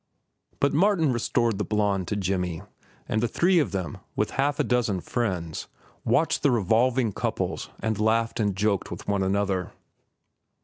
But Martin restored the blonde to Jimmy, and the three of them, with half a dozen friends, watched the revolving couples and laughed and joked with one another.